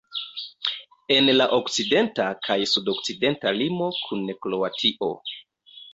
En la okcidenta kaj sudokcidenta limo kun Kroatio.